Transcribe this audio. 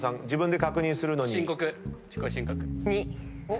２！